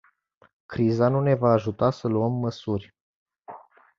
Criza nu ne va ajuta să luăm măsuri.